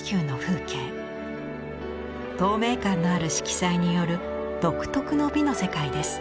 透明感のある色彩による独特の美の世界です。